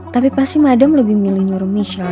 tapi pasti mada lebih milih nyuruh michelle